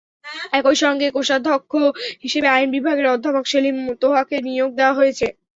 একই সঙ্গে কোষাধ্যক্ষ হিসেবে আইন বিভাগের অধ্যাপক সেলিম তোহাকে নিয়োগ দেওয়া হয়েছে।